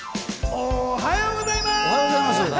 おはようございます。